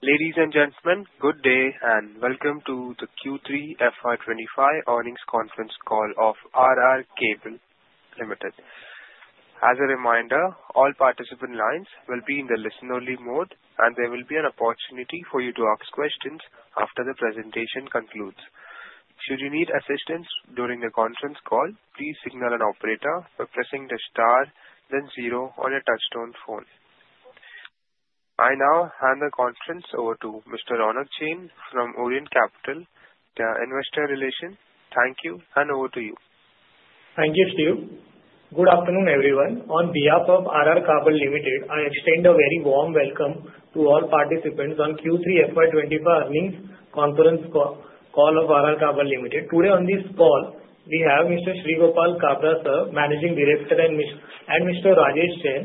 Ladies and gentlemen, good day and welcome to the Q3 FY25 Earnings Conference Call of R R Kabel Ltd. As a reminder, all participant lines will be in the listen-only mode, and there will be an opportunity for you to ask questions after the presentation concludes. Should you need assistance during the conference call, please signal an operator by pressing the star, then zero on your touch-tone phone. I now hand the conference over to Mr. Ronak Jain from Orient Capital, the Investor Relations. Thank you, and over to you. Thank you, Steve. Good afternoon, everyone. On behalf of R R Kabel Ltd, I extend a very warm welcome to all participants on Q3 FY25 Earnings Conference Call of R R Kabel Ltd. Today, on this call, we have Mr. Shreegopal Kabra Sir, Managing Director, and Mr. Rajesh Jain,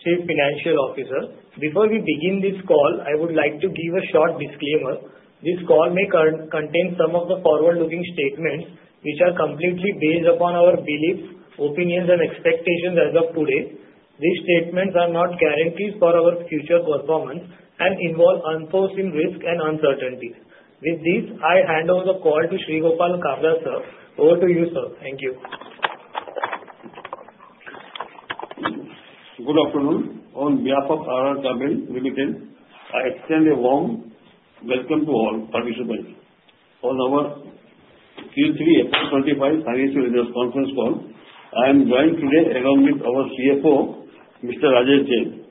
Chief Financial Officer. Before we begin this call, I would like to give a short disclaimer. This call may contain some of the forward-looking statements, which are completely based upon our beliefs, opinions, and expectations as of today. These statements are not guarantees for our future performance and involve unforeseen risks and uncertainties. With this, I hand over the call to Shreegopal Kabra Sir. Over to you, sir. Thank you. Good afternoon. On behalf of R R Kabel Ltd, I extend a warm welcome to all participants on our Q3 FY25 Financial Results Conference Call. I am joined today along with our CFO, Mr. Rajesh Jain.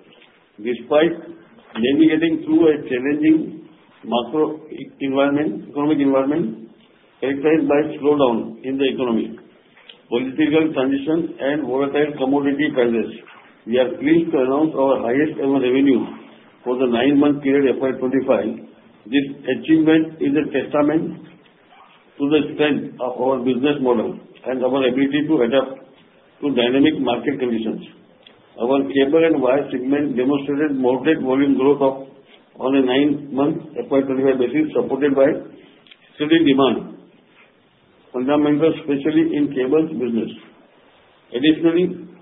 Despite navigating through a challenging macroeconomic environment characterized by slowdown in the economy, political transition, and volatile commodity prices, we are pleased to announce our highest ever revenue for the nine-month period of FY25. This achievement is a testament to the strength of our business model and our ability to adapt to dynamic market conditions. Our cable and wire segment demonstrated moderate volume growth on a nine-month FY25 basis, supported by steady demand, fundamentals especially in cable business. Additionally,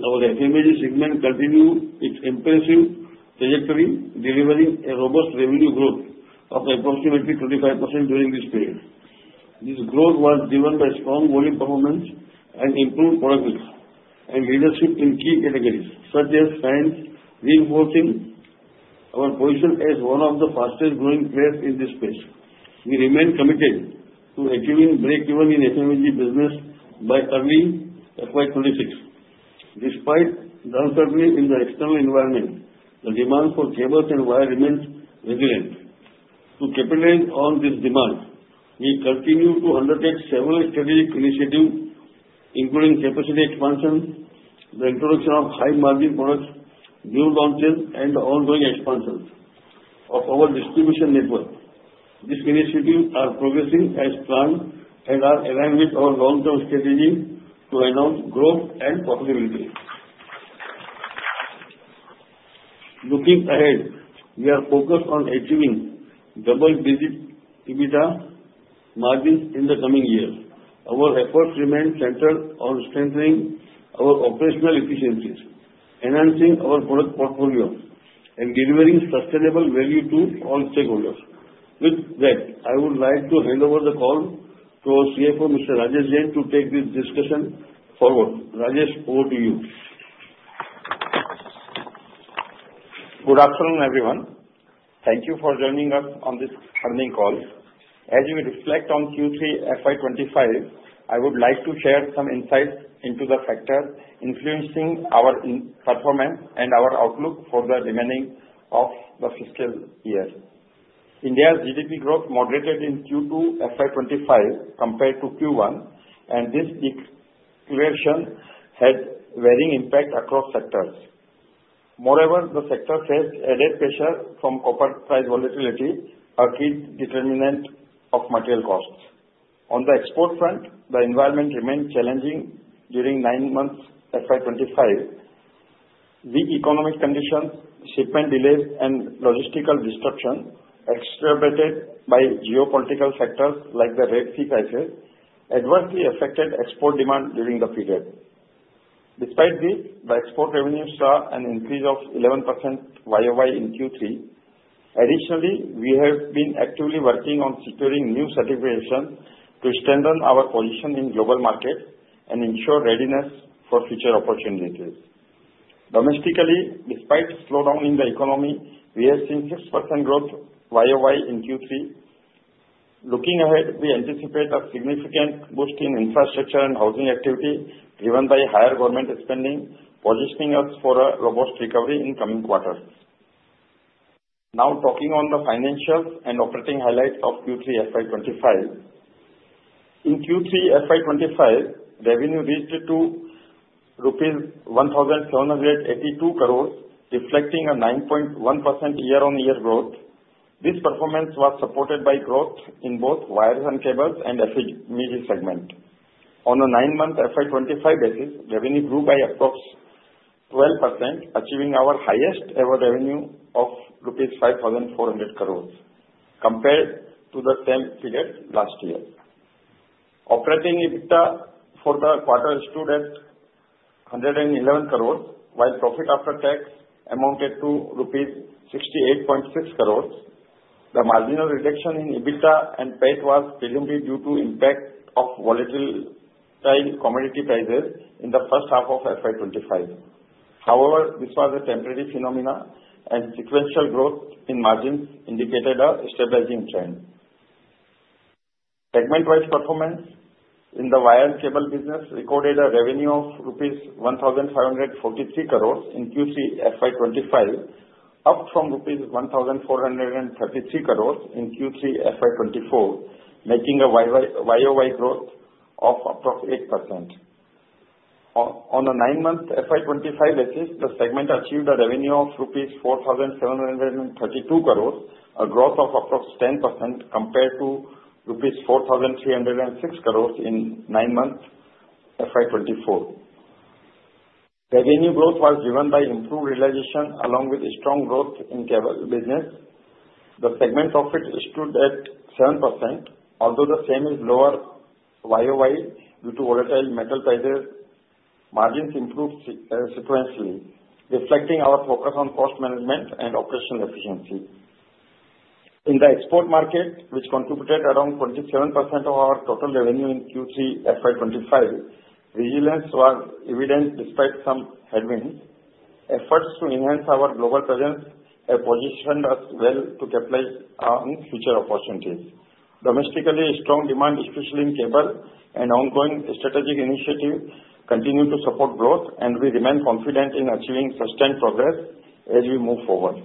our FMEG segment continued its impressive trajectory, delivering a robust revenue growth of approximately 25% during this period. This growth was driven by strong volume performance and improved productivity and leadership in key categories such as fans, reinforcing our position as one of the fastest-growing players in this space. We remain committed to achieving break-even in FMEG business by early FY26. Despite the downturn in the external environment, the demand for cables and wires remains resilient. To capitalize on this demand, we continue to undertake several strategic initiatives, including capacity expansion, the introduction of high-margin products, new launches, and ongoing expansions of our distribution network. These initiatives are progressing as planned and are aligned with our long-term strategy to enhance growth and profitability. Looking ahead, we are focused on achieving double-digit EBITDA margins in the coming years. Our efforts remain centered on strengthening our operational efficiencies, enhancing our product portfolio, and delivering sustainable value to all stakeholders. With that, I would like to hand over the call to our CFO, Mr. Rajesh Jain, to take this discussion forward. Rajesh, over to you. Good afternoon, everyone. Thank you for joining us on this earnings call. As we reflect on Q3 FY25, I would like to share some insights into the factors influencing our performance and our outlook for the remainder of the fiscal year. India's GDP growth moderated in Q2 FY25 compared to Q1, and this deceleration had varying impacts across sectors. Moreover, the sectors faced added pressure from copper price volatility, a key determinant of material costs. On the export front, the environment remained challenging during nine months of FY25. Weak economic conditions, shipment delays, and logistical disruptions, exacerbated by geopolitical factors like the Red Sea crisis, adversely affected export demand during the period. Despite this, the export revenues saw an increase of 11% YOY in Q3. Additionally, we have been actively working on securing new certifications to strengthen our position in global markets and ensure readiness for future opportunities. Domestically, despite slowdown in the economy, we have seen 6% growth YOY in Q3. Looking ahead, we anticipate a significant boost in infrastructure and housing activity driven by higher government spending, positioning us for a robust recovery in the coming quarter. Now, talking on the financials and operating highlights of Q3 FY25, in Q3 FY25, revenue reached rupees 1,782 crores, reflecting a 9.1% year-on-year growth. This performance was supported by growth in both wires and cables and FMEG segment. On a nine-month FY25 basis, revenue grew by approximately 12%, achieving our highest-ever revenue of rupees 5,400 crores compared to the same period last year. Operating EBITDA for the quarter stood at 111 crores, while profit after tax amounted to rupees 68.6 crores. The marginal reduction in EBITDA and PAT was presumably due to the impact of volatile commodity prices in the first half of FY25. However, this was a temporary phenomenon, and sequential growth in margins indicated a stabilizing trend. Segment-wise performance in the wire and cable business recorded a revenue of INR 1,543 crores in Q3 FY25, up from INR 1,433 crores in Q3 FY24, making a YOY growth of approximately 8%. On a nine-month FY25 basis, the segment achieved a revenue of rupees 4,732 crores, a growth of approximately 10% compared to rupees 4,306 crores in nine-month FY24. Revenue growth was driven by improved realization along with strong growth in cable business. The segment profit stood at 7%, although the same is lower YOY due to volatile metal prices. Margins improved sequentially, reflecting our focus on cost management and operational efficiency. In the export market, which contributed around 27% of our total revenue in Q3 FY25, resilience was evident despite some headwinds. Efforts to enhance our global presence have positioned us well to capitalize on future opportunities. Domestically, strong demand, especially in cable, and ongoing strategic initiatives continue to support growth, and we remain confident in achieving sustained progress as we move forward.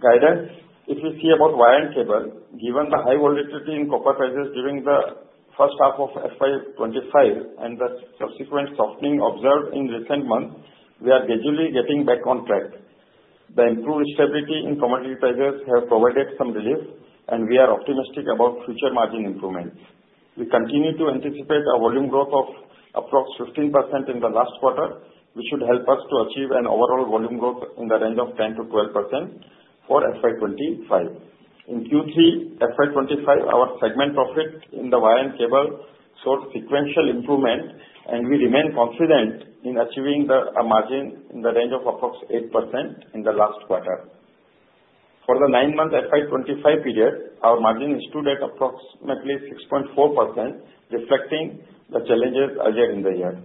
Guidance: If we see about wire and cable, given the high volatility in copper prices during the first half of FY25 and the subsequent softening observed in recent months, we are gradually getting back on track. The improved stability in commodity prices has provided some relief, and we are optimistic about future margin improvements. We continue to anticipate a volume growth of approximately 15% in the last quarter, which should help us to achieve an overall volume growth in the range of 10%-12% for FY25. In Q3 FY25, our segment profit in the wire and cable showed sequential improvement, and we remain confident in achieving a margin in the range of approximately 8% in the last quarter. For the nine-month FY25 period, our margin stood at approximately 6.4%, reflecting the challenges earlier in the year.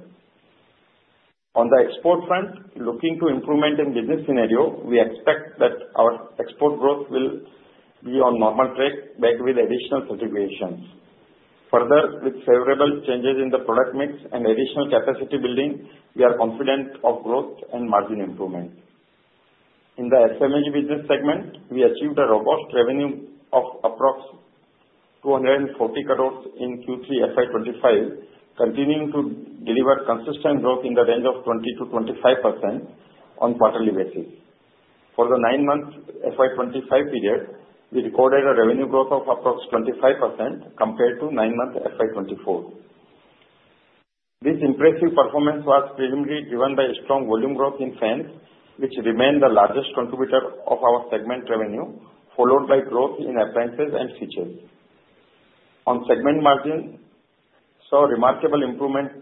On the export front, looking to improvement in business scenario, we expect that our export growth will be on a normal track back with additional certifications. Further, with favorable changes in the product mix and additional capacity building, we are confident of growth and margin improvement. In the FMEG business segment, we achieved a robust revenue of approximately 240 crores in Q3 FY25, continuing to deliver consistent growth in the range of 20%-25% on a quarterly basis. For the nine-month FY25 period, we recorded a revenue growth of approximately 25% compared to nine-month FY24. This impressive performance was presumably driven by strong volume growth in fans, which remained the largest contributor of our segment revenue, followed by growth in appliances and switches. On segment margin, we saw remarkable improvement,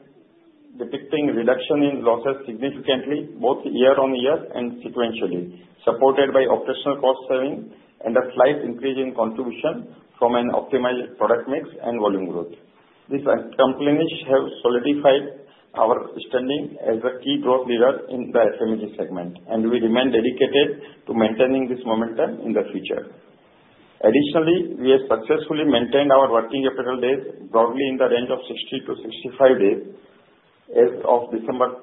depicting a reduction in losses significantly both year-on-year and sequentially, supported by operational cost savings and a slight increase in contribution from an optimized product mix and volume growth. These accomplishments have solidified our standing as a key growth leader in the FMEG segment, and we remain dedicated to maintaining this momentum in the future. Additionally, we have successfully maintained our working capital days broadly in the range of 60%-65% days as of December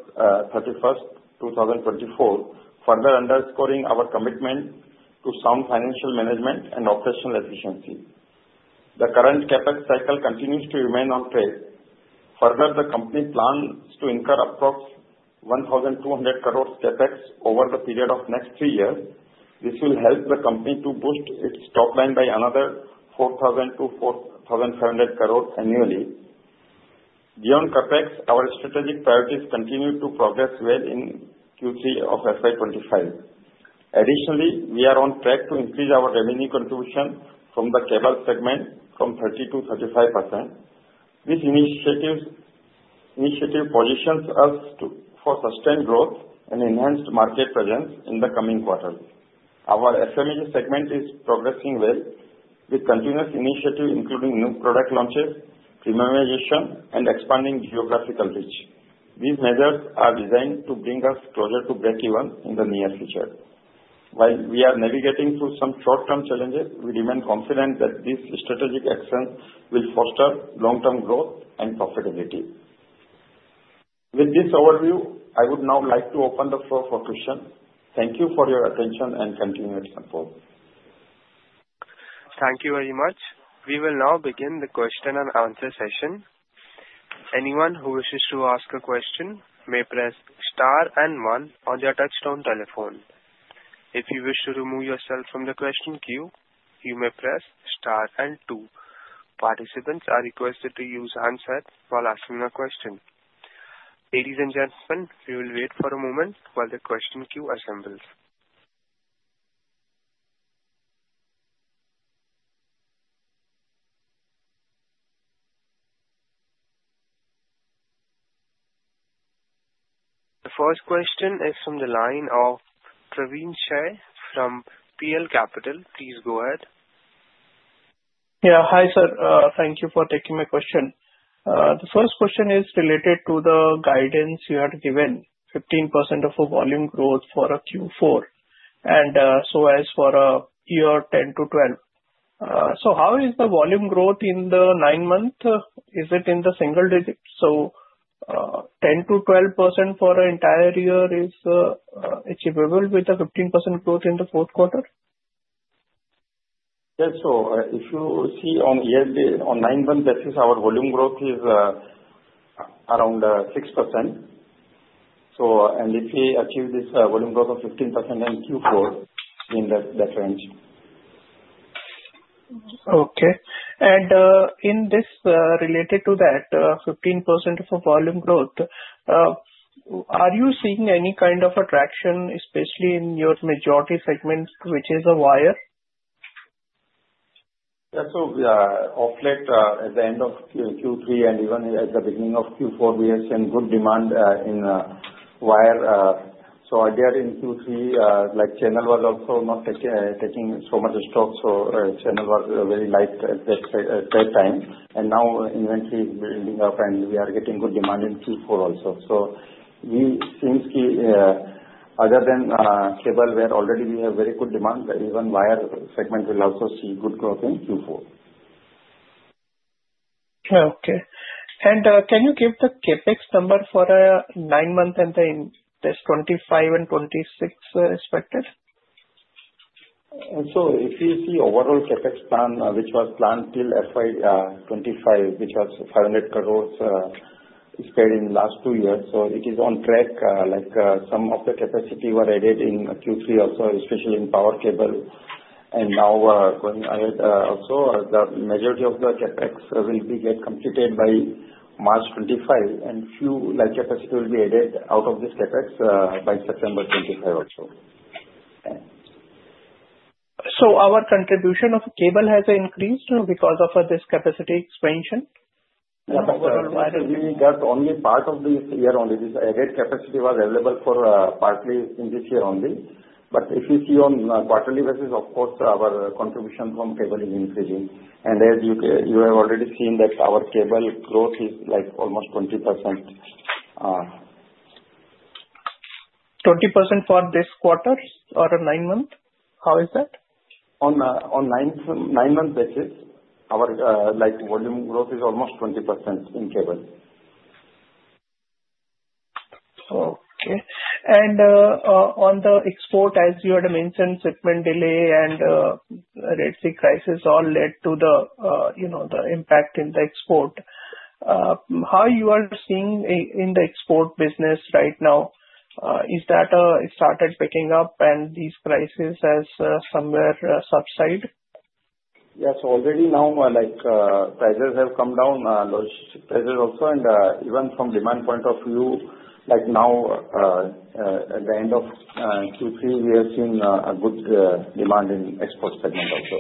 31st, 2024, further underscoring our commitment to sound financial management and operational efficiency. The current CapEx cycle continues to remain on track. Further, the company plans to incur approximately 1,200 crores CapEx over the period of the next three years. This will help the company to boost its top line by another 4,000-4,500 crores annually. Beyond CapEx, our strategic priorities continue to progress well in Q3 of FY25. Additionally, we are on track to increase our revenue contribution from the cable segment from 30%-35%. This initiative positions us for sustained growth and enhanced market presence in the coming quarters. Our FMEG segment is progressing well with continuous initiatives, including new product launches, premiumization, and expanding geographical reach. These measures are designed to bring us closer to break-even in the near future. While we are navigating through some short-term challenges, we remain confident that these strategic actions will foster long-term growth and profitability. With this overview, I would now like to open the floor for questions. Thank you for your attention and continued support. Thank you very much. We will now begin the question and answer session. Anyone who wishes to ask a question may press star and one on their touch-tone telephone. If you wish to remove yourself from the question queue, you may press star and two. Participants are requested to use handsets while asking a question. Ladies and gentlemen, we will wait for a moment while the question queue assembles. The first question is from the line of Praveen Sahay from PL Capital. Please go ahead. Yeah, hi sir. Thank you for taking my question. The first question is related to the guidance you had given: 15% volume growth for Q4 and so as for the year 10%-12%. So how is the volume growth in the nine months? Is it in the single digit? So 10%-12% for the entire year is achievable with a 15% growth in the fourth quarter? Yes, so if you see on nine-month basis, our volume growth is around 6%. So, if we achieve this volume growth of 15% in Q4, in that range. Okay. And in this, related to that, 15% of volume growth, are you seeing any kind of attraction, especially in your majority segment, which is the wire? Yeah, so we are of late. At the end of Q3 and even at the beginning of Q4, we have seen good demand in wire. So earlier in Q3, like channel was also not taking so much stock, so channel was very light at that time. And now inventory is building up, and we are getting good demand in Q4 also. So it seems other than cable, where already we have very good demand, even the wire segment will also see good growth in Q4. Okay. And can you give the CapEx number for nine months and the 25 and 26 respectively? So if you see overall CapEx plan, which was planned till FY25, which was 500 crores spent in the last two years, so it is on track. Like some of the capacity was added in Q3 also, especially in power cable. And now going ahead also, the majority of the CapEx will be completed by March 2025, and a few capacity will be added out of this CapEx by September 2025 also. So our contribution of cable has increased because of this capacity expansion? Yeah, but we got only part of this year only. This added capacity was available only partly in this year only. But if you see on a quarterly basis, of course, our contribution from cable is increasing. And as you have already seen that our cable growth is like almost 20%. 20% for this quarter or nine months? How is that? On a nine-month basis, our volume growth is almost 20% in cable. Okay. And on the export, as you had mentioned, shipment delay and Red Sea crisis all led to the impact in the export. How are you seeing in the export business right now? Is that it started picking up, and these prices have somewhere subsided? Yes, already now prices have come down, logistics prices also. And even from the demand point of view, like now at the end of Q3, we have seen good demand in the export segment also.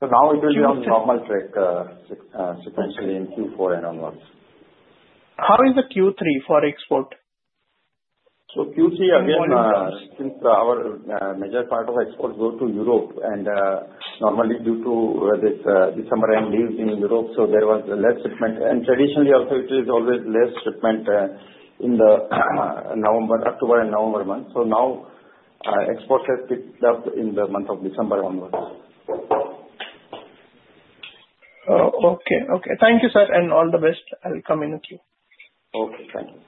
So now it will be on a normal track sequentially in Q4 and onwards. How is the Q3 for export? Q3, again, since our major part of exports go to Europe, and normally due to the December-end leaves in Europe, so there was less shipment. Traditionally, also, it is always less shipment in the November, October and November months. Now exports have picked up in the month of December onwards. Okay. Okay. Thank you, sir, and all the best. I'll come in a queue. Okay. Thank you.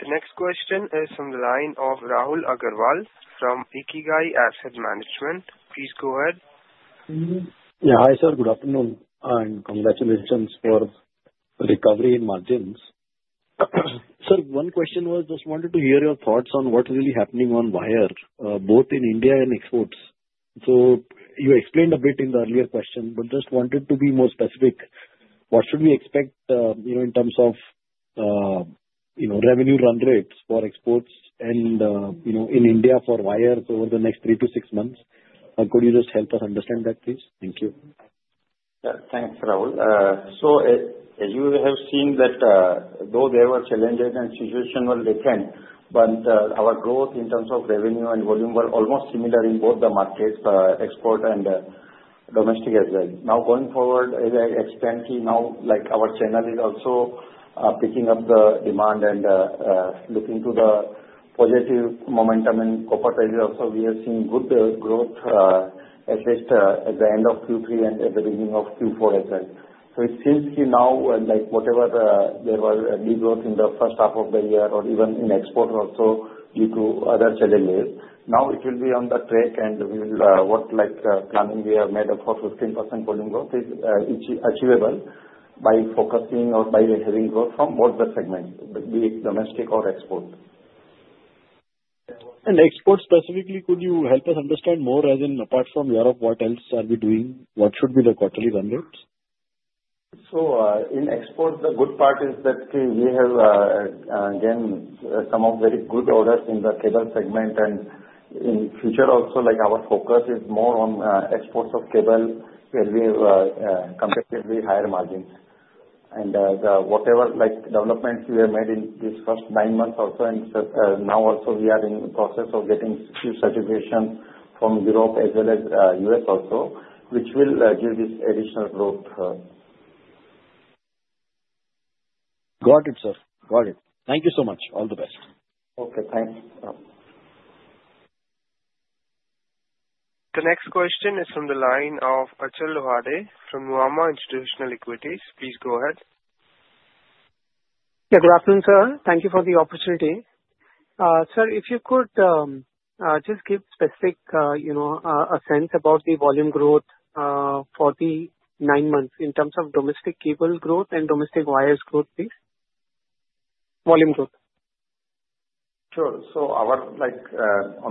The next question is from the line of Rahul Agarwal from Ikigai Asset Management. Please go ahead. Yeah, hi sir. Good afternoon, and congratulations for recovery in margins. Sir, one question was just wanted to hear your thoughts on what's really happening on wire, both in India and exports. So you explained a bit in the earlier question, but just wanted to be more specific. What should we expect in terms of revenue run rates for exports in India for wire over the next three to six months? Could you just help us understand that, please? Thank you. Thanks, Rahul. So you have seen that though there were challenges and situations were different, but our growth in terms of revenue and volume were almost similar in both the markets, export and domestic as well. Now going forward, as I explained to you now, like our channel is also picking up the demand and looking to the positive momentum in copper prices. Also, we have seen good growth, at least at the end of Q3 and at the beginning of Q4 as well. So it seems now like whatever there was a degrowth in the first half of the year or even in exports also due to other challenges, now it will be on the track, and we will work like planning we have made for 15% volume growth is achievable by focusing or by having growth from both the segments, be it domestic or export. Exports specifically, could you help us understand more as in apart from Europe, what else are we doing? What should be the quarterly run rates? In exports, the good part is that we have again some very good orders in the cable segment. In the future also, like our focus is more on exports of cable where we have comparatively higher margins. Whatever developments we have made in these first nine months also, and now also we are in the process of getting certification from Europe as well as the U.S. also, which will give us additional growth. Got it, sir. Got it. Thank you so much. All the best. Okay. Thanks. The next question is from the line of Achal Lohade from Nuvama Institutional Equities. Please go ahead. Yeah, good afternoon, sir. Thank you for the opportunity. Sir, if you could just give a specific sense about the volume growth for the nine months in terms of domestic cable growth and domestic wires growth, please? Volume growth. Sure. So on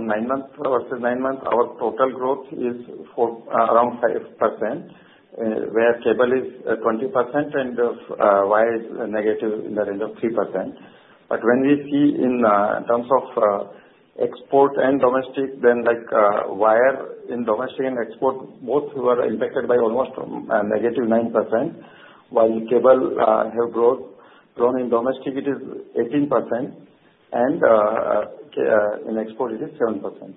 nine months versus nine months, our total growth is around 5%, where cable is 20%, and wire is negative in the range of 3%. But when we see in terms of export and domestic, then wire in domestic and export, both were impacted by almost negative 9%, while cable has grown in domestic, it is 18%, and in export, it is 7%.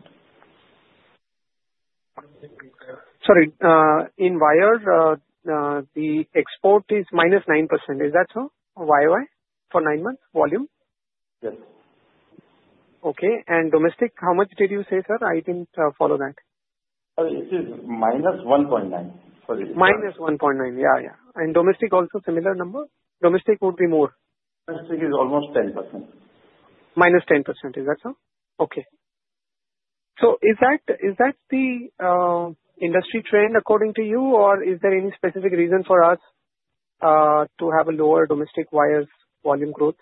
Sorry. In wire, the export is minus 9%. Is that so? YOY for nine months volume? Yes. Okay. And domestic, how much did you say, sir? I didn't follow that. It is -1.9. -1.9%. Yeah, yeah. And domestic also similar number? Domestic would be more? Domestic is almost 10%. -10%. Is that so? Okay. So is that the industry trend according to you, or is there any specific reason for us to have a lower domestic wires volume growth?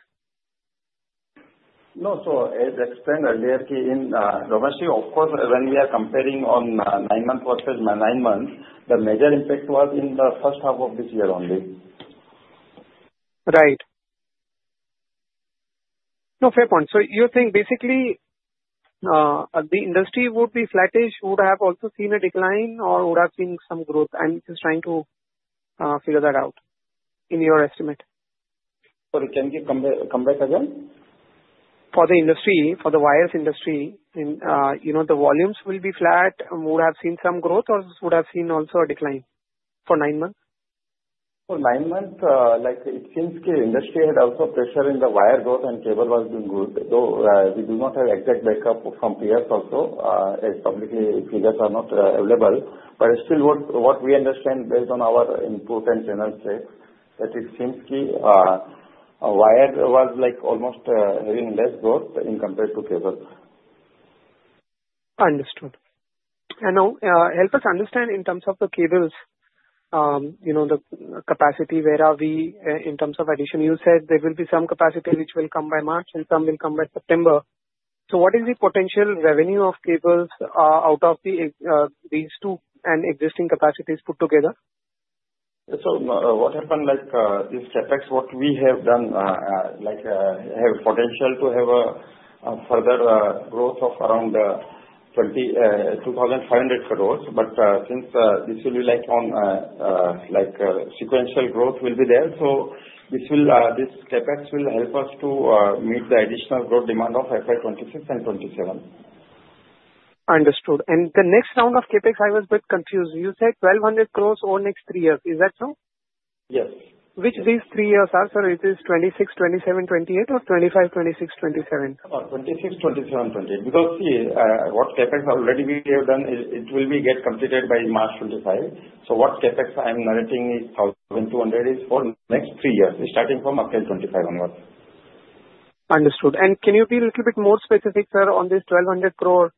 No. So as I explained earlier, in domestic, of course, when we are comparing on nine months versus nine months, the major impact was in the first half of this year only. Right. No, fair point. So you're saying basically the industry would be flattish, would have also seen a decline, or would have seen some growth? I'm just trying to figure that out in your estimate. Sorry, can you come back again? For the industry, for the wires industry, the volumes will be flat, would have seen some growth, or would have seen also a decline for nine months? For nine months, it seems the industry had also pressure in the wire growth, and cable was doing good. Though we do not have exact backup from peers also, as public figures are not available, but still, what we understand based on our input and channel say, that it seems the wire was almost having less growth in compared to cable. Understood. And now help us understand in terms of the cables, the capacity, where are we in terms of addition? You said there will be some capacity which will come by March, and some will come by September. So what is the potential revenue of cables out of these two and existing capacities put together? So what happened with CapEx? What we have done, we have potential to have a further growth of around 2,500 crores. But since this will be on sequential growth, will be there. So this CapEx will help us to meet the additional growth demand of FY26 and FY27. Understood. And the next round of CapEx, I was a bit confused. You said 1,200 crores over the next three years. Is that so? Yes. Which these three years are, sir? It is 2026, 2027, 2028, or 2025, 2026, 2027? 2026, 2027, 2028. Because see, what CapEx already we have done, it will be completed by March 2025. So what CapEx I'm narrating is 1,200 crores is for the next three years, starting from FY25 onwards. Understood. And can you be a little bit more specific, sir, on this 1,200 crores?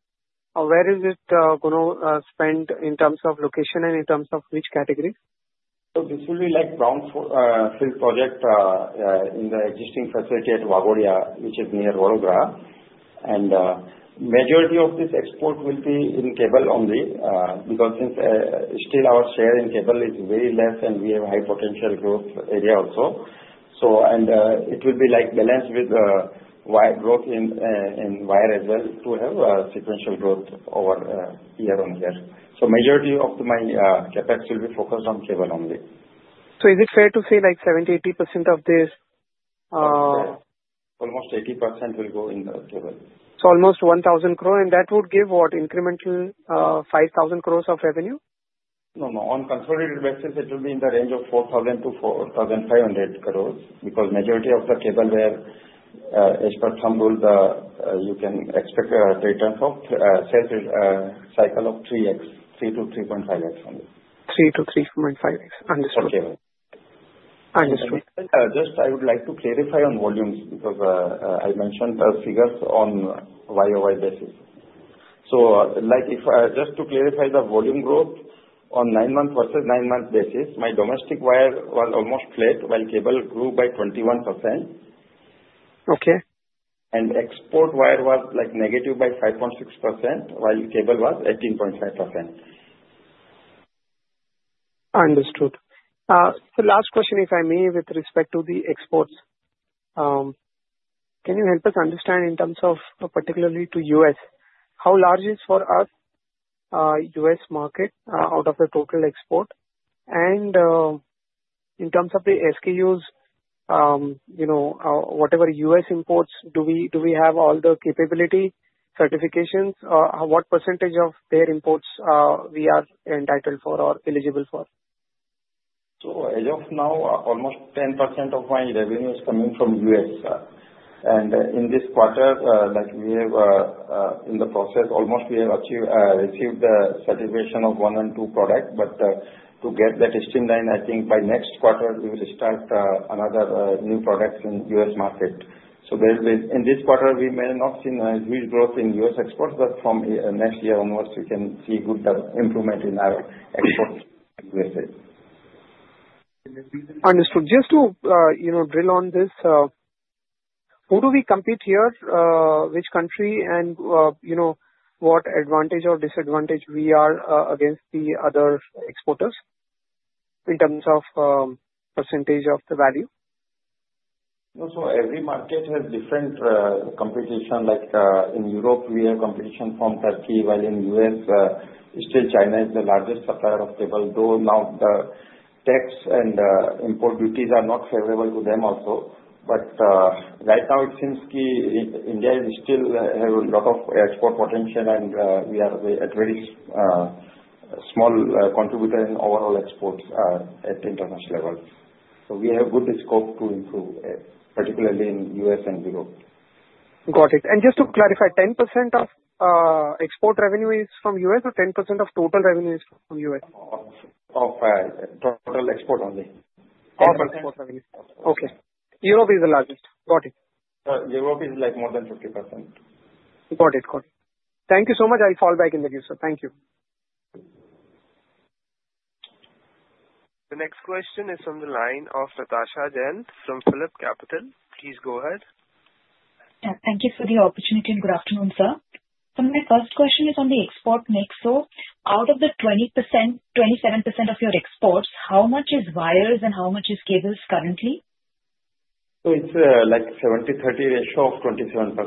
Where is it going to spend in terms of location and in terms of which category? This will be like a greenfield project in the existing facility at Waghodia, which is near Vadodara. Majority of this export will be in cable only because still our share in cable is very less, and we have high potential growth area also. It will be like balanced with wire growth in wire as well to have sequential growth over year on year. Majority of my CapEx will be focused on cable only. So is it fair to say like 70%-80% of this? Yes. Almost 80% will go in the cable. So almost 1,000 crores, and that would give what, incremental 5,000 crores of revenue? No, no. On consolidated basis, it will be in the range of 4,000-4,500 crores because majority of the cable wire, as per thumb rule, you can expect a return of sales cycle of 3x, 3-3.5x only. 3x-3.5x. Understood. For cable. Understood. Just, I would like to clarify on volumes because I mentioned the figures on YOY basis. So just to clarify the volume growth on nine months versus nine months basis, my domestic wire was almost flat while cable grew by 21%. Okay. Export wire was negative by 5.6%, while cable was 18.5%. Understood. So last question, if I may, with respect to the exports. Can you help us understand in terms of particularly to U.S., how large is for us U.S. market out of the total export? And in terms of the SKUs, whatever U.S. imports, do we have all the capability certifications? What percentage of their imports we are entitled for or eligible for? As of now, almost 10% of my revenue is coming from U.S. In this quarter, we have in the process, almost we have received the certification of one and two products. To get that streamlined, I think by next quarter, we will start another new product in U.S. market. In this quarter, we may not see huge growth in U.S. exports, but from next year onwards, we can see good improvement in our exports in U.S.A. Understood. Just to drill on this, who do we compete here, which country, and what advantage or disadvantage we are against the other exporters in terms of percentage of the value? Every market has different competition. In Europe, we have competition from Turkey, while in U.S., still China is the largest supplier of cable, though now the tax and import duties are not favorable to them also. Right now, it seems India still has a lot of export potential, and we are a very small contributor in overall exports at international level. We have good scope to improve, particularly in U.S. and Europe. Got it. And just to clarify, 10% of export revenue is from U.S. or 10% of total revenue is from U.S.? Of total export only. Of export revenue. Okay. Europe is the largest. Got it. Europe is like more than 50%. Got it. Got it. Thank you so much. I'll call back in a few, sir. Thank you. The next question is from the line of Natasha Jain from PhillipCapital. Please go ahead. Thank you for the opportunity and good afternoon, sir. So my first question is on the export mix. So out of the 27% of your exports, how much is wires and how much is cables currently? So it's like a 70/30 ratio of 27%.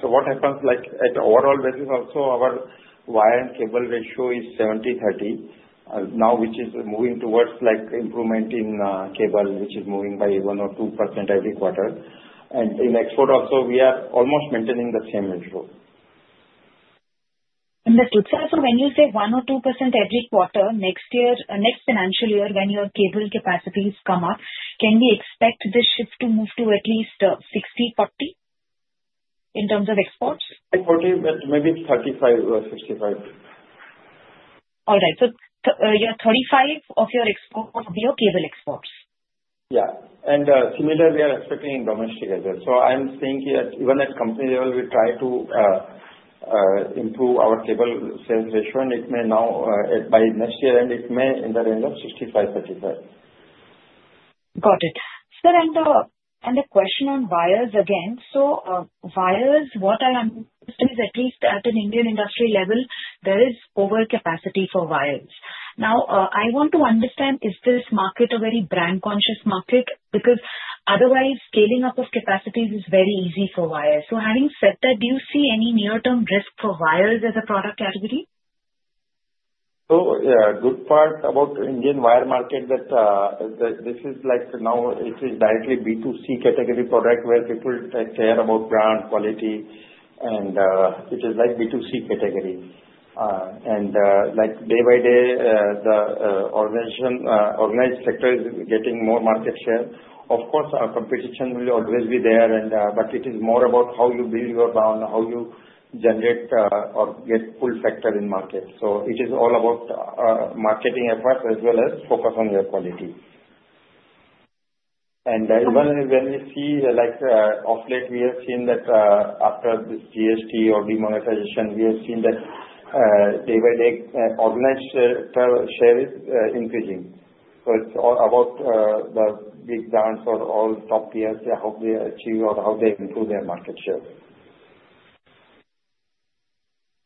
So what happens at the overall basis also, our wire and cable ratio is 70/30 now, which is moving towards improvement in cable, which is moving by 1% or 2% every quarter. And in export also, we are almost maintaining the same ratio. Understood. Sir, so when you say 1% or 2% every quarter, next year, next financial year, when your cable capacities come up, can we expect this shift to move to at least 60/40 in terms of exports? 40, but maybe 35 or 65. All right. So 35 of your exports would be your cable exports? Yeah, and similarly, we are expecting domestic as well, so I'm seeing here even at company level, we try to improve our cable sales ratio, and it may now by next year, and it may in the range of 65/35. Got it. Sir, and a question on wires again. So wires, what I understood is at least at an Indian industry level, there is overcapacity for wires. Now, I want to understand, is this market a very brand-conscious market? Because otherwise, scaling up of capacities is very easy for wires. So having said that, do you see any near-term risk for wires as a product category? So yeah, good part about the Indian wire market that this is like now it is directly B2C category product where people care about brand quality, and it is like B2C category. And day by day, the organized sector is getting more market share. Of course, our competition will always be there, but it is more about how you build your brand, how you generate or get pull factor in market. So it is all about marketing effort as well as focus on your quality. And even when we see like offline, we have seen that after this GST or Demonetization, we have seen that day by day, organized share is increasing. So it's about the big brands or all top tiers, how they achieve or how they improve their market share.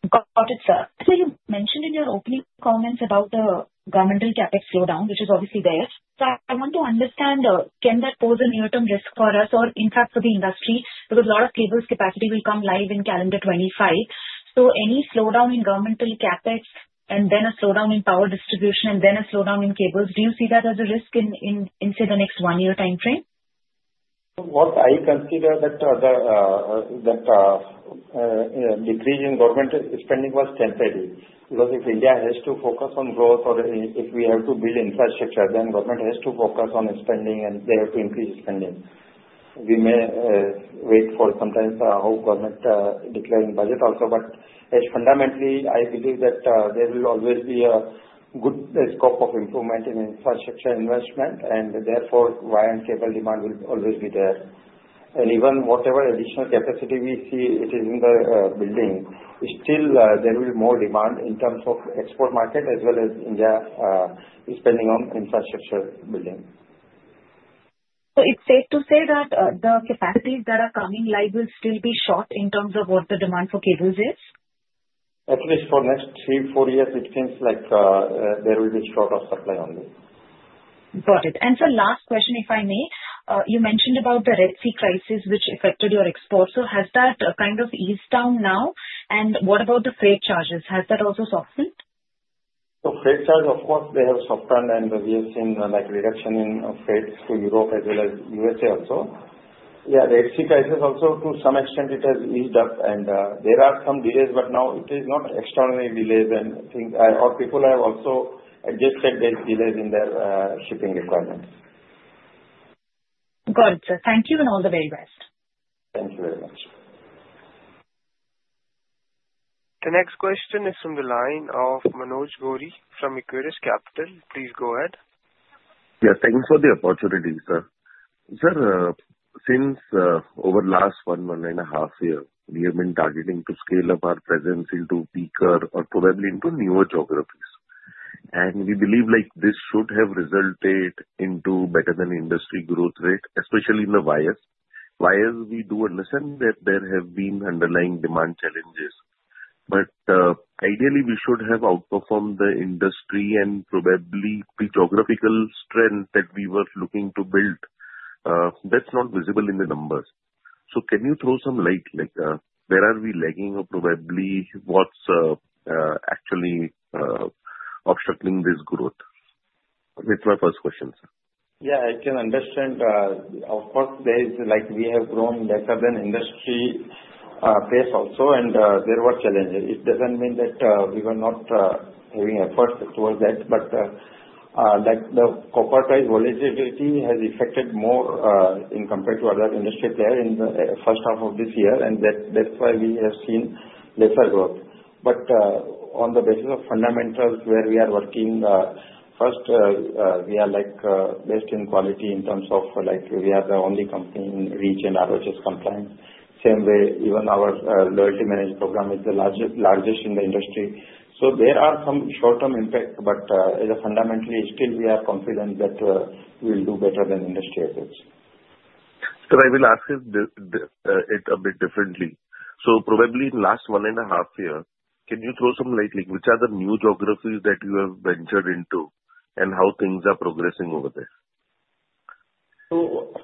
Got it, sir. So you mentioned in your opening comments about the governmental CapEx slowdown, which is obviously there. So I want to understand, can that pose a near-term risk for us or, in fact, for the industry? Because a lot of cables capacity will come live in calendar 2025. So any slowdown in governmental CapEx and then a slowdown in power distribution and then a slowdown in cables, do you see that as a risk in, say, the next one-year time frame? What I consider that decreasing government spending was temporary. Because if India has to focus on growth or if we have to build infrastructure, then government has to focus on spending, and they have to increase spending. We may wait for some time how government declaring budget also. But fundamentally, I believe that there will always be a good scope of improvement in infrastructure investment, and therefore, wire and cable demand will always be there. And even whatever additional capacity we see, it is in the building, still there will be more demand in terms of export market as well as India spending on infrastructure building. So it's safe to say that the capacities that are coming live will still be short in terms of what the demand for cables is? At least for next three, four years, it seems like there will be shortage of supply only. Got it. And so last question, if I may, you mentioned about the Red Sea crisis, which affected your exports. So has that kind of eased down now? And what about the freight charges? Has that also softened? So, freight charge, of course, they have softened, and we have seen reduction in freight to Europe as well as USA also. Yeah, the Red Sea crisis also, to some extent, it has eased up. And there are some delays, but now it is not external delays. And I think our people have also adjusted their delays in their shipping requirements. Got it, sir. Thank you and all the very best. Thank you very much. The next question is from the line of Manoj Gori from Equirus Capital. Please go ahead. Yeah, thank you for the opportunity, sir. Sir, since over the last one, one and a half years, we have been targeting to scale up our presence into HT or probably into newer geographies, and we believe this should have resulted in better than industry growth rate, especially in the wires. Wires, we do understand that there have been underlying demand challenges, but ideally, we should have outperformed the industry and probably the geographical strength that we were looking to build. That's not visible in the numbers, so can you throw some light? Where are we lagging or probably what's actually obstructing this growth? That's my first question, sir. Yeah, I can understand. Of course, we have grown better than industry pace also, and there were challenges. It doesn't mean that we were not having efforts towards that. But the corporate-wise volatility has affected more in compared to other industries there in the first half of this year, and that's why we have seen lesser growth. But on the basis of fundamentals where we are working, first, we are based in quality in terms of we are the only company in REACH and RoHS compliance. Same way, even our loyalty management program is the largest in the industry. So there are some short-term impacts, but fundamentally, still we are confident that we will do better than industry efforts. So I will ask it a bit differently. So probably in the last one and a half year, can you throw some light? Which are the new geographies that you have ventured into and how things are progressing over there? So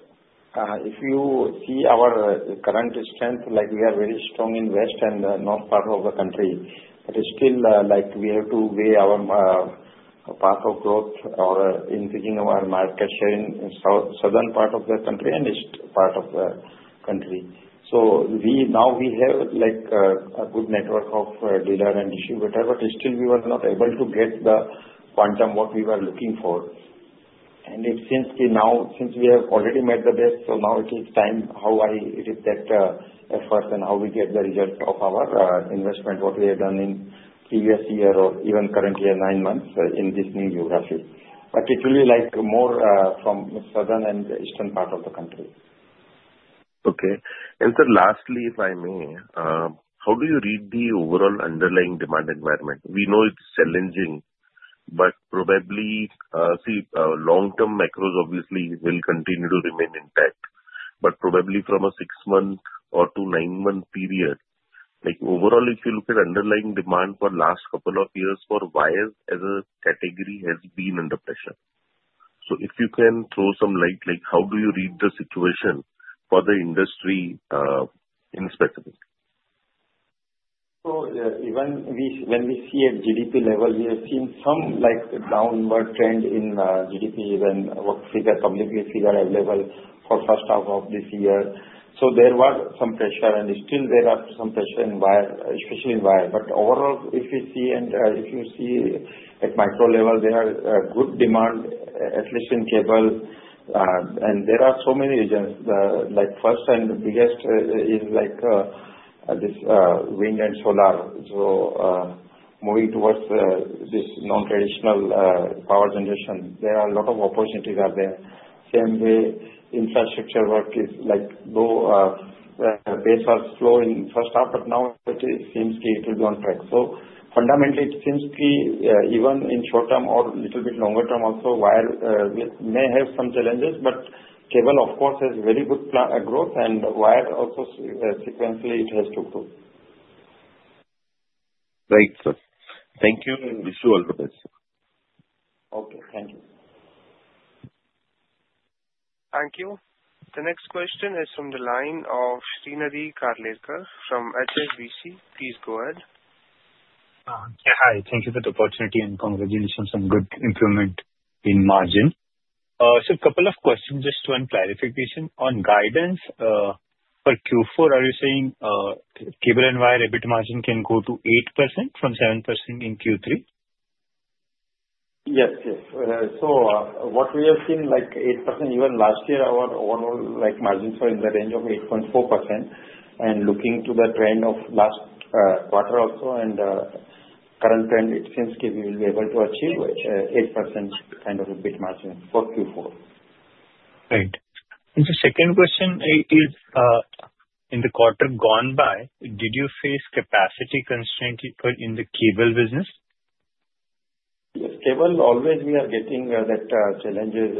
if you see our current strength, we are very strong in west and north part of the country. But still, we have to weigh our path of growth or improving our market share in southern part of the country and east part of the country. So now we have a good network of dealer and distributor, but still we were not able to get the quantum what we were looking for. And it seems now since we have already made the best, so now it is time how we did that effort and how we get the results of our investment, what we have done in previous year or even current year, nine months in this new geography. But it will be more from southern and eastern part of the country. Okay. And sir, lastly, if I may, how do you read the overall underlying demand environment? We know it's challenging, but probably long-term macros obviously will continue to remain intact. But probably from a six-month or to nine-month period, overall, if you look at underlying demand for last couple of years for wires as a category has been under pressure. So if you can throw some light, how do you read the situation for the industry in specific? So when we see at GDP level, we have seen some downward trend in GDP when public figures available for first half of this year. So there was some pressure, and still there are some pressure in wire, especially in wire. But overall, if you see at micro level, there are good demand, at least in cable. And there are so many reasons. First and biggest is this wind and solar. So moving towards this non-traditional power generation, there are a lot of opportunities out there. Same way, infrastructure work, its pace was slow in first half, but now it seems to be on track. So fundamentally, it seems to be even in short term or a little bit longer term also, wire may have some challenges, but cable, of course, has very good growth, and wire also sequentially it has to grow. Right, sir. Thank you. Wish you all the best. Okay. Thank you. Thank you. The next question is from the line of Shrinidhi Karlekar from HSBC. Please go ahead. Hi. Thank you for the opportunity and congratulations on good improvement in margin. Sir, a couple of questions just for clarification on guidance for Q4. Are you saying cable and wire EBIT margin can go to 8% from 7% in Q3? Yes, yes. So what we have seen, 8% even last year, our overall margins were in the range of 8.4%. And looking to the trend of last quarter also and current trend, it seems we will be able to achieve 8% kind of EBIT margin for Q4. Right, and the second question is, in the quarter gone by, did you face capacity constraint in the cable business? Yes. Cables, always we are getting those challenges,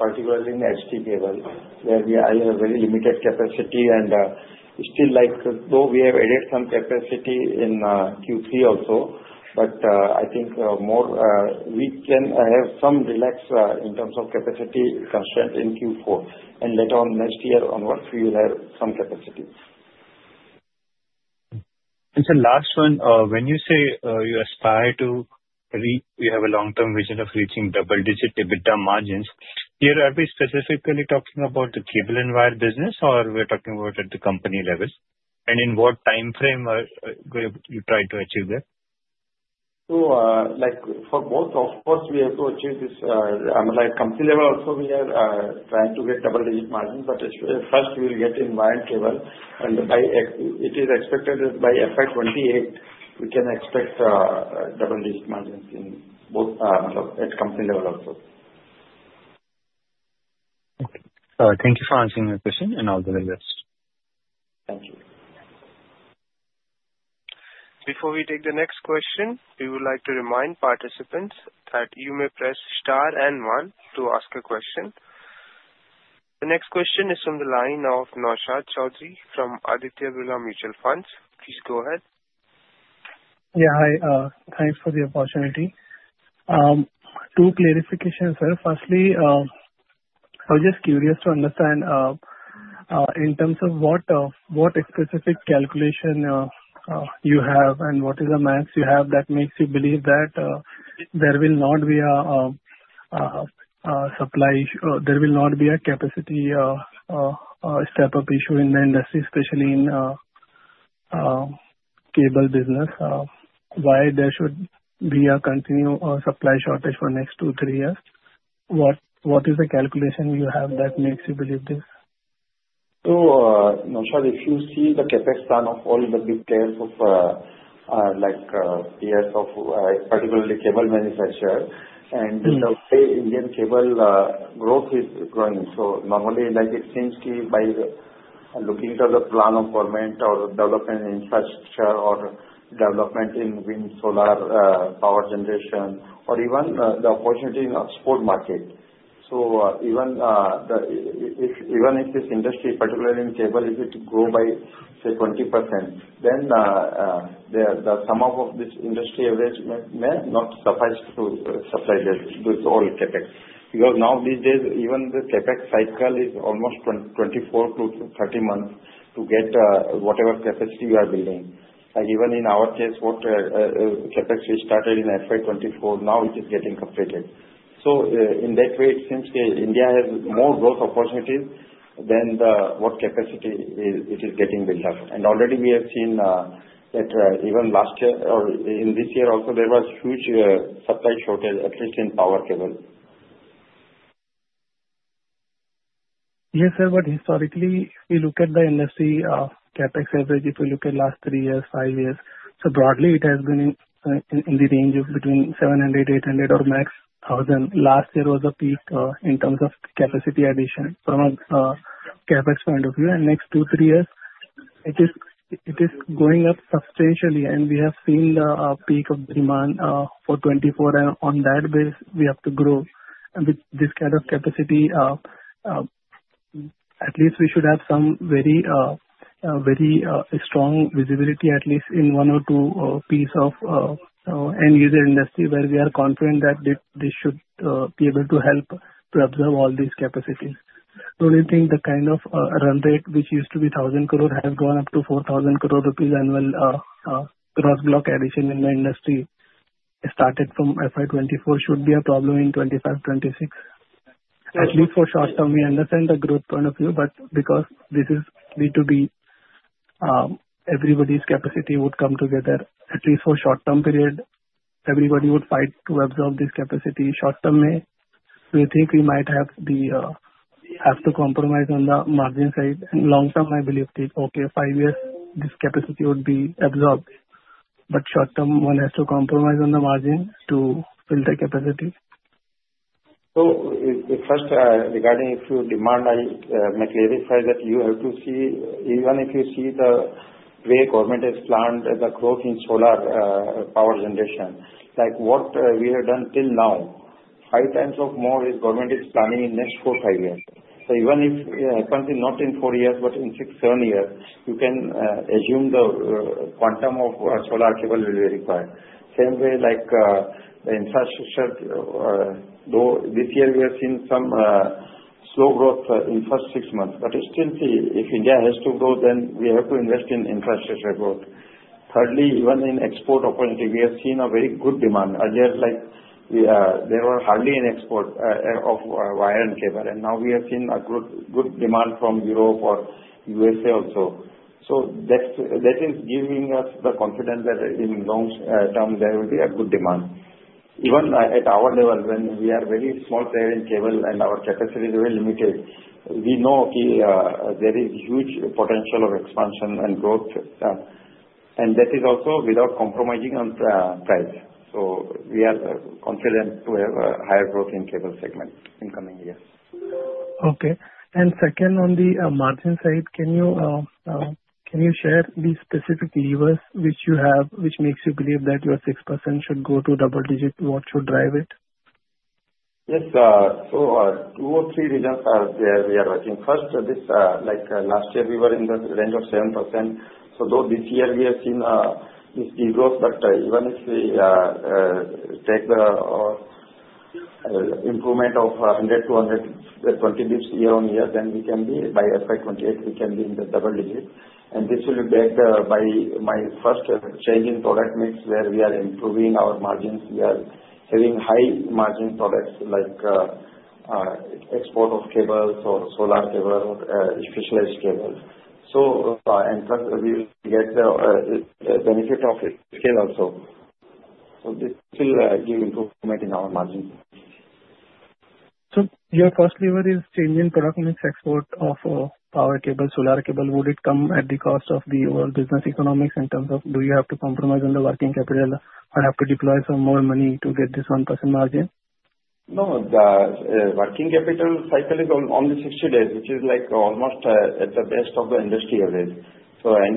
particularly in HT cable, where we have very limited capacity. And still, though we have added some capacity in Q3 also, but I think we can have some relaxation in terms of capacity constraint in Q4. And later on next year, onwards, we will have some capacity. Sir, last one, when you say you aspire to reach you have a long-term vision of reaching double-digit EBITDA margins. Here, are we specifically talking about the cable and wire business, or we're talking about at the company level? In what time frame are you trying to achieve that? So for both, of course, we have to achieve this. At the company level also, we are trying to get double-digit margins, but first, we will get in wire and cable. And it is expected that by FY28, we can expect double-digit margins at company level also. Okay. Thank you for answering my question, and all the very best. Thank you. Before we take the next question, we would like to remind participants that you may press star and one to ask a question. The next question is from the line of Naushad Chaudhary from Aditya Birla Mutual Fund. Please go ahead. Yeah, hi. Thanks for the opportunity. Two clarifications, sir. Firstly, I was just curious to understand in terms of what specific calculation you have and what is the max you have that makes you believe that there will not be a supply issue or there will not be a capacity step-up issue in the industry, especially in cable business, why there should be a continued supply shortage for the next two, three years? What is the calculation you have that makes you believe this? Naushad, if you see the capacity of all the big players of particularly cable manufacturers, and the way Indian cable growth is growing. Normally, it seems to be by looking at the plan of government or development infrastructure or development in wind, solar, power generation, or even the opportunity in the export market. Even if this industry, particularly in cable, if it grows by, say, 20%, then the sum of this industry average may not suffice to supply all CapEx. Because now these days, even the CapEx cycle is almost 24-30 months to get whatever capacity you are building. Even in our case, CapEx started in FY24, now it is getting completed. In that way, it seems India has more growth opportunities than what capacity it is getting built up. Already we have seen that even last year or in this year also, there was huge supply shortage, at least in power cable. Yes, sir, but historically, if we look at the industry CapEx average, if we look at last three years, five years, so broadly, it has been in the range of between 700, 800, or max 1,000. Last year was a peak in terms of capacity addition from a CapEx point of view, and next two, three years, it is going up substantially. And we have seen the peak of demand for 24. And on that basis, we have to grow. And with this kind of capacity, at least we should have some very strong visibility, at least in one or two pieces of end-user industry where we are confident that this should be able to help to absorb all these capacities. The only thing, the kind of run rate, which used to be 1,000 crore, has gone up to 4,000 crore rupees annual gross block addition in the industry started from FY24, should be a problem in FY25, FY26. At least for short term, we understand the growth point of view. But because this is B2B, everybody's capacity would come together. At least for short-term period, everybody would fight to absorb this capacity. Short term, we think we might have to compromise on the margin side. And long term, I believe it's okay. Five years, this capacity would be absorbed. But short term, one has to compromise on the margin to fill the capacity. So first, regarding demand, I must clarify that you have to see, even if you see the way government has planned the growth in solar power generation, what we have done till now, five times more is government is planning in the next four, five years. So even if it happens not in four years, but in six, seven years, you can assume the quantum of solar cable will be required. Same way, the infrastructure, though this year, we have seen some slow growth in the first six months. But still, if India has to grow, then we have to invest in infrastructure growth. Thirdly, even in export opportunity, we have seen a very good demand. Earlier, there were hardly any exports of wire and cable. And now we have seen good demand from Europe or U.S.A. also. So that is giving us the confidence that in long term, there will be a good demand. Even at our level, when we are a very small player in cable and our capacity is very limited, we know there is huge potential of expansion and growth. And that is also without compromising on price. So we are confident to have a higher growth in cable segment in coming years. Okay. And second, on the margin side, can you share the specific levers which you have which makes you believe that your 6% should go to double-digit? What should drive it? Yes. So, two or three reasons are there we are working. First, last year, we were in the range of 7%. So though this year, we have seen this growth, but even if we take the improvement of 100 to 120 basis points year on year, then we can be by FY28, we can be in the double digit. And this will be backed by my first changing product mix where we are improving our margins. We are having high-margin products like export of cables or solar cable or specialized cables. And plus, we will get the benefit of scale also. So this will give improvement in our margins. So your first lever is changing product mix, export of power cable, solar cable. Would it come at the cost of the overall business economics in terms of do you have to compromise on the working capital or have to deploy some more money to get this 1% margin? No. The working capital cycle is only 60 days, which is almost at the best of the industry average. And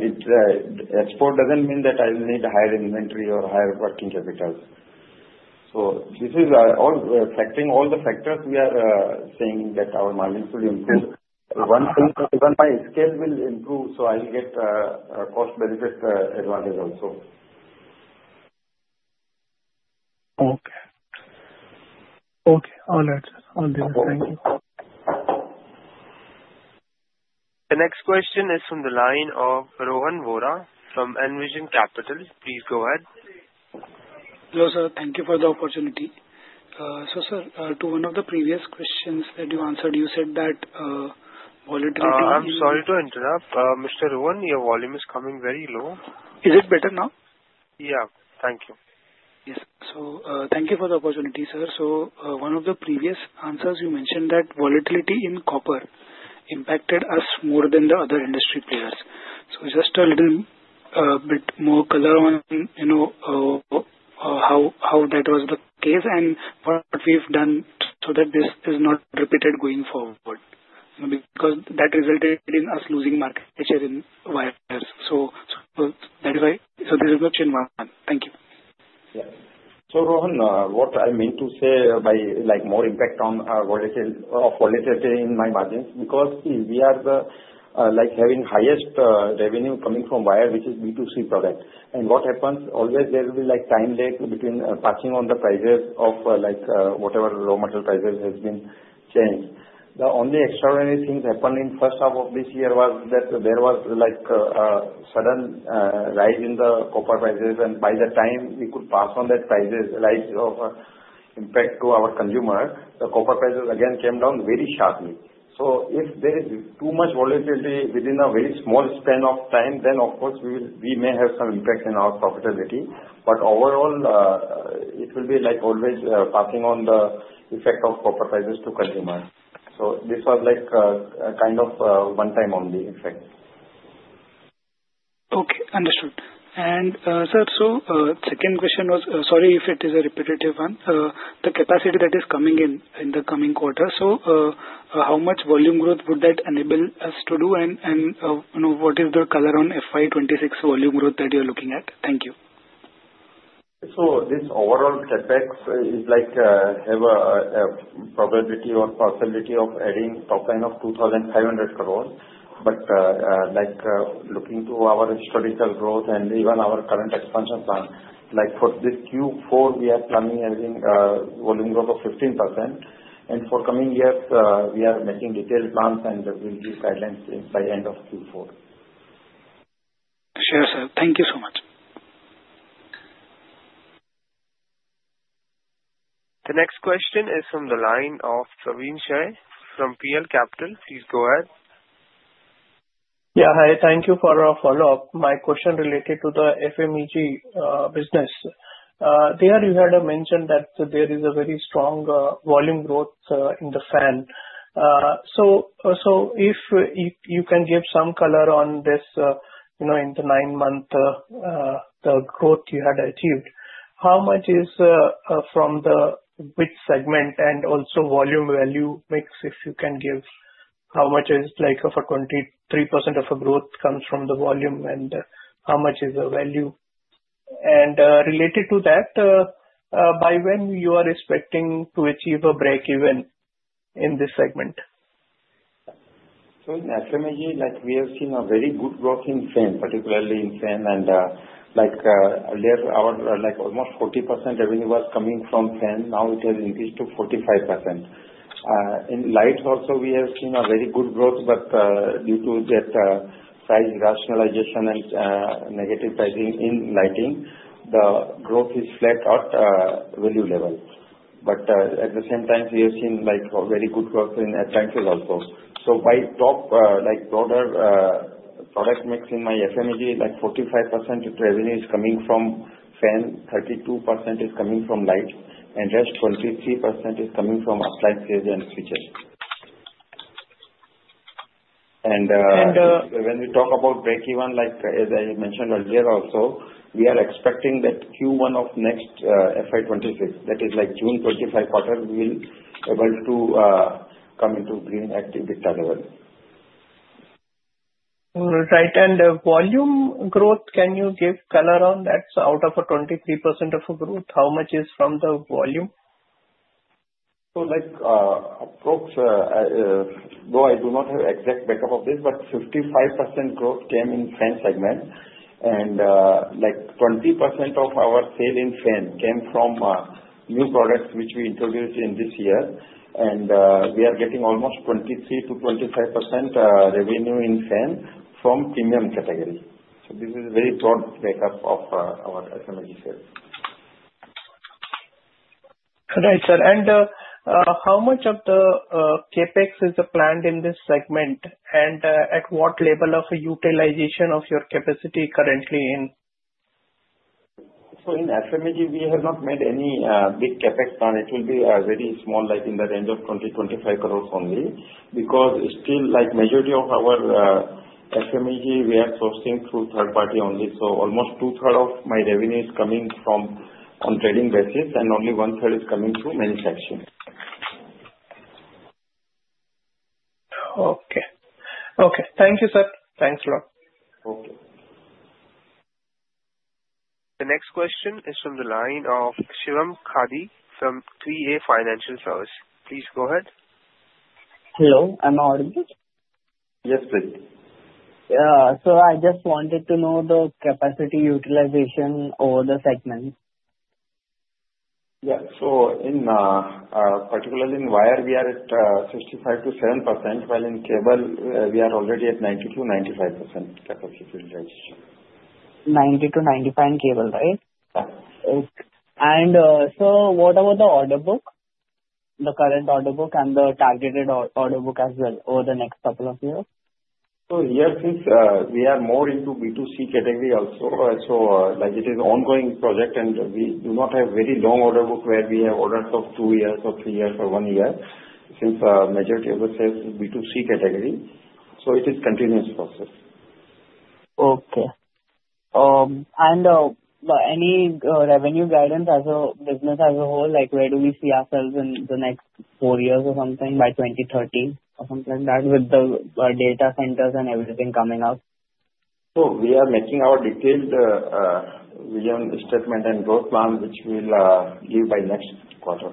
export doesn't mean that I will need higher inventory or higher working capital. So this is affecting all the factors we are saying that our margins will improve. Even my scale will improve, so I'll get a cost-benefit advantage also. Okay. Okay. All the above. Thank you. The next question is from the line of Rohan Vora from Envision Capital. Please go ahead. Hello, sir. Thank you for the opportunity. So sir, to one of the previous questions that you answered, you said that volatility in. I'm sorry to interrupt. Mr. Rohan, your volume is coming very low. Is it better now? Yeah. Thank you. Yes. So thank you for the opportunity, sir. So one of the previous answers, you mentioned that volatility in copper impacted us more than the other industry players. So just a little bit more color on how that was the case and what we've done so that this is not repeated going forward. Because that resulted in us losing market share in wires. So that is why this is option one. Thank you. Yeah. So Rohan, what I meant to say by more impact of volatility in my margins because we are having highest revenue coming from wire, which is B2C product. And what happens, always there will be time lag between passing on the prices of whatever raw material prices has been changed. The only extraordinary thing that happened in the first half of this year was that there was a sudden rise in the copper prices. And by the time we could pass on that price rise of impact to our consumer, the copper prices again came down very sharply. So if there is too much volatility within a very small span of time, then of course, we may have some impact in our profitability. But overall, it will be always passing on the effect of copper prices to consumers. So this was kind of one-time-only effect. Okay. Understood. And sir, so second question was, sorry if it is a repetitive one, the capacity that is coming in the coming quarter. So how much volume growth would that enable us to do? And what is the color on FY26 volume growth that you're looking at? Thank you. This overall CapEx has a probability or possibility of adding top line of 2,500 crore. Looking to our historical growth and even our current expansion plan, for this Q4, we are planning having volume growth of 15%. For coming years, we are making detailed plans and will give guidelines by end of Q4. Sure, sir. Thank you so much. The next question is from the line of Praveen Sahay from PL Capital. Please go ahead. Yeah. Hi. Thank you for a follow-up. My question related to the FMEG business. There, you had mentioned that there is a very strong volume growth in the fans. So if you can give some color on this in the nine-month growth you had achieved, how much is from the wires segment and also volume value mix if you can give how much is like for 23% of a growth comes from the volume and how much is the value? And related to that, by when you are expecting to achieve a break-even in this segment? In FMEG, we have seen a very good growth in fans, particularly in fans. Earlier, almost 40% revenue was coming from fans. Now it has increased to 45%. In lights also, we have seen a very good growth, but due to that price rationalization and negative pricing in lighting, the growth is flat at value level. At the same time, we have seen very good growth in appliances also. By the broader product mix in our FMEG, like 45% revenue is coming from fans, 32% is coming from lights, and the rest 23% is coming from appliances and switches. When we talk about break-even, as I mentioned earlier also, we are expecting that Q1 of next FY26, that is like June 2025 quarter, we will be able to come into the green at that level. Right. And volume growth, can you give color on that? So out of a 23% of a growth, how much is from the volume? So approach, though I do not have exact backup of this, but 55% growth came in FAN segment. And 20% of our sales in FAN came from new products which we introduced in this year. And we are getting almost 23%-25% revenue in FAN from premium category. So this is a very broad backup of our FMEG sales. Right, sir. And how much of the CapEx is planned in this segment? And at what level of utilization of your capacity currently in? So in FMEG, we have not made any big CapEx plan. It will be very small, like in the range of 20-25 crores only. Because still, majority of our FMEG, we are sourcing through third-party only. So almost two-thirds of my revenue is coming from on trading basis, and only one-third is coming through manufacturing. Okay. Okay. Thank you, sir. Thanks. Okay. The next question is from the line of Shivam Khare from 3A Financial Services. Please go ahead. Hello. I'm audible? Yes, please. So I just wanted to know the capacity utilization over the segment? Yeah, so particularly in wire, we are at 65%-70%, while in cable, we are already at 90%-95% capacity utilization. 90%-95% in cable, right? Yeah. What about the order book, the current order book and the targeted order book as well over the next couple of years? So here, since we are more into B2C category also, so it is an ongoing project, and we do not have very long order book where we have orders of two years or three years or one year since major cable sales is B2C category. So it is a continuous process. Okay, and any revenue guidance as a business as a whole, where do we see ourselves in the next four years or something by 2030 or something like that with the data centers and everything coming up? We are making our detailed vision statement and growth plan, which we'll give by next quarter.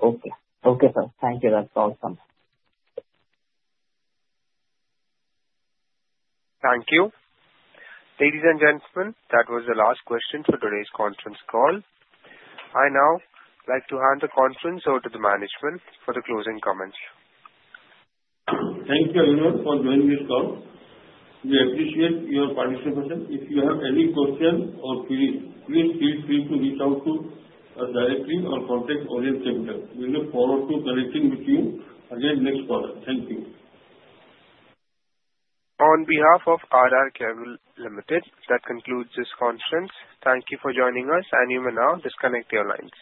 Okay. Okay, sir. Thank you. That's awesome. Thank you. Ladies and gentlemen, that was the last question for today's conference call. I now like to hand the conference over to the management for the closing comments. Thank you everyone for joining this call. We appreciate your participation. If you have any questions or queries, please feel free to reach out to us directly or contact Orient Capital. We look forward to connecting with you again next quarter. Thank you. On behalf of R R Kabel Ltd, that concludes this conference. Thank you for joining us, and you may now disconnect your lines.